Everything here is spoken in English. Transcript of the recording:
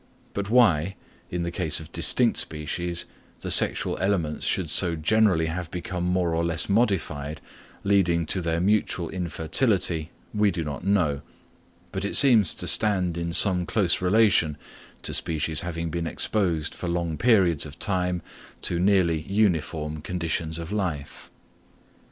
But why, in the case of distinct species, the sexual elements should so generally have become more or less modified, leading to their mutual infertility, we do not know; but it seems to stand in some close relation to species having been exposed for long periods of time to nearly uniform conditions of life.